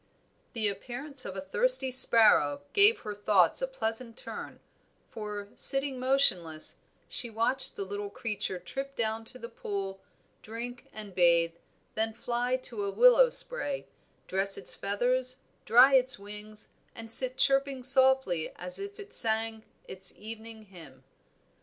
The appearance of a thirsty sparrow gave her thoughts a pleasant turn, for, sitting motionless, she watched the little creature trip down to the pool, drink and bathe, then flying to a willow spray, dress its feathers, dry its wings, and sit chirping softly as if it sang its evening hymn.